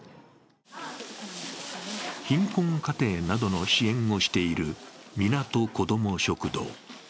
貧困家庭などの支援をしているみなと子ども食堂。